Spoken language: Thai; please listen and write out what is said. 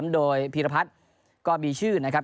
โดยพีรพัฒน์ก็มีชื่อนะครับ